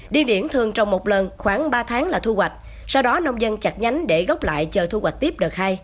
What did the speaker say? điên điển thường trồng một lần khoảng ba tháng là thu hoạch sau đó nông dân chặt nhánh để gốc lại chờ thu hoạch tiếp đợt hai